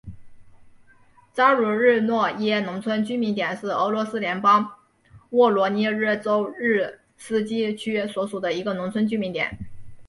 扎卢日诺耶农村居民点是俄罗斯联邦沃罗涅日州利斯基区所属的一个农村居民点。